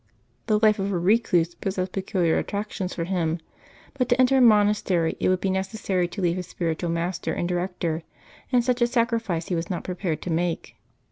The life of a recluse possessed peculiar attractions for him, but to enter a monastery it would be necessary to leave his spiritual master and director, and such a sacrifice he was not prepared to make.